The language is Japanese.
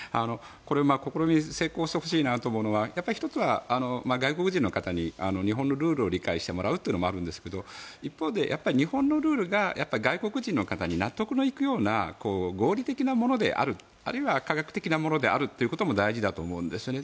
試みが成功してほしいと思うのは１つは外国人の方に日本のルールを理解してもらうというのもあるんですが一方で、日本のルールが外国人の方に納得のいくような合理的なものであるあるいは科学的なものであるということも大事だと思うんですよね。